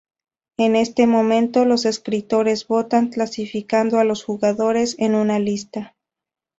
En este momento, los escritores votan clasificando a los jugadores en una lista.